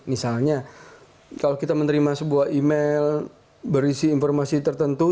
misalnya kalau kita menerima sebuah email berisi informasi tertentu